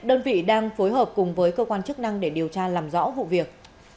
kết hợp cùng với cơ quan chức năng để điều tra làm rõ vụ việc